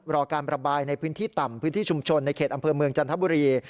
รอการระบายในพื้นที่ต่ำพื้นที่ชุมชนในเขตอำเภอเมืองจันทบุรี